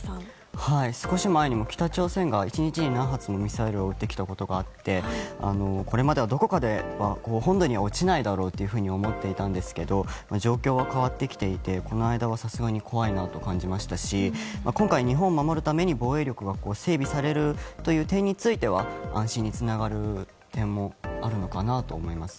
少し前にも北朝鮮が１日に何発もミサイルを撃ってきたことがあってこれまではどこかで本土に落ちないだろうと思っていたんですけど状況は変わってきていてこの間は、さすがに怖いなと感じましたし今回、日本を守るために防衛力が整備される点については安心につながる点もあるのかなと思います。